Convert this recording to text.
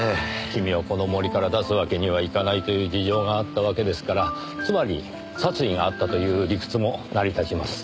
君をこの森から出すわけにはいかないという事情があったわけですからつまり殺意があったという理屈も成り立ちます。